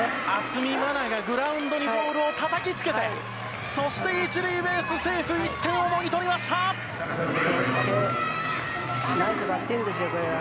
渥美万奈がグラウンドにボールをたたきつけて、そして１塁ベースセーフ、１点をもぎ取りましＯＫ。